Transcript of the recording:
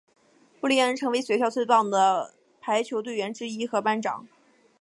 布丽恩成为学校最棒的排球队员之一和班长。